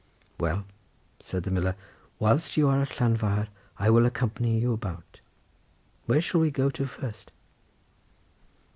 "Well," said the miller, "whilst you are at Llanfair I will accompany you about. Where shall we go to first?"